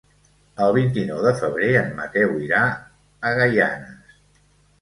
El vint-i-nou de febrer en Mateu irà a Gaianes.